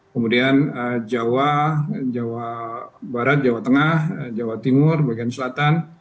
kemudian jawa jawa barat jawa tengah jawa timur bagian selatan